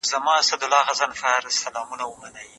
د ټولنیزو نهادونو تحلیل باید ترسره سي.